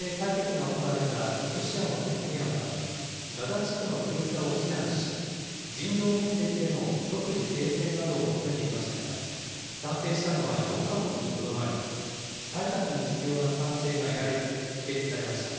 続いて採決が行われたロシアの決議案は、ガザ地区の封鎖を非難し、人道目的での即時停戦を求めていましたが、賛成したのは４か国にとどまり、採択に必要な賛成が得られず、否決されました。